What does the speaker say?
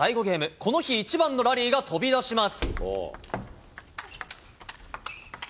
この日一番のラリーが飛び出します。